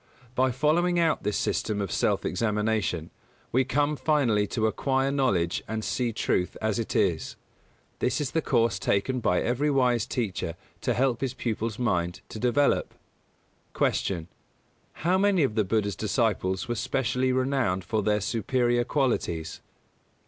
By following out this system of self examination, we come finally to acquire knowledge and see truth as it is. This is the course taken by every wise teacher to help his pupil's mind to develop. 249. Q. _How many of the Buddha's disciples were specially renowned for their superior qualities?